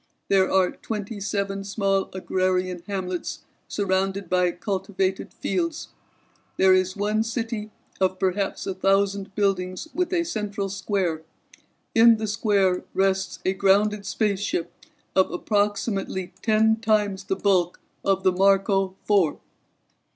There are twenty seven small agrarian hamlets surrounded by cultivated fields. There is one city of perhaps a thousand buildings with a central square. In the square rests a grounded spaceship of approximately ten times the bulk of the Marco Four."